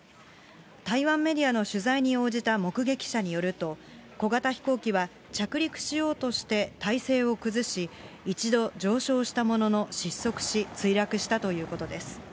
台湾メディアの取材に応じた目撃者によると、小型飛行機は着陸しようとして体勢を崩し、一度上昇したものの失速し、墜落したということです。